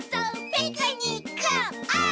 「ピクニックオー」